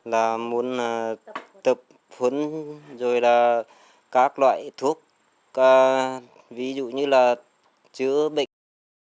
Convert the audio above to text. là muốn tập huấn rồi là các loại thuốc ví dụ như là chữa bệnh